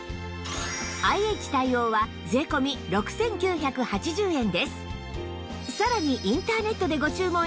ＩＨ 対応は税込６９８０円です